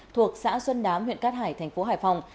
thuộc xã xuân đám huyện cát hải thành phố hải phòng